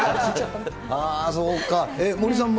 そうか。